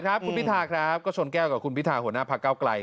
ครับคุณพิธาครับก็ชนแก้วกับคุณพิธาหัวหน้าพระเก้าไกล